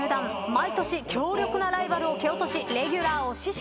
毎年強力なライバルを蹴落としレギュラーを死守。